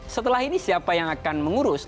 setelah ini siapa yang akan mengurus